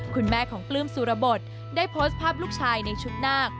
คุณแม่ของปลื้มสุรบทได้โพสต์ภาพลูกชายในชุดนาค